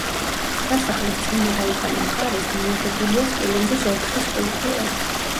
სასახლის წინა და უკანა მხარეს განლაგებულია სპილენძის ოთხი სკულპტურა.